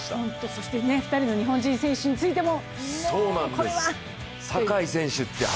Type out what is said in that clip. そして２人の日本人選手についても、もうこれはという。